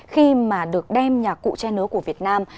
khi mà được đem nhà cụ che nứa của việt nam